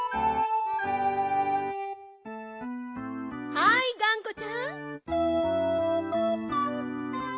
はいがんこちゃん。